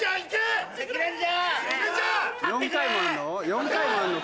４回もあんの？